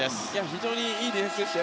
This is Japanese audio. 非常にいいディフェンスでした。